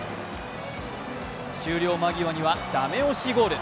終了間際にはだめ押しゴール。